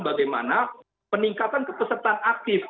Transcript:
bagaimana peningkatan kepesertaan aktif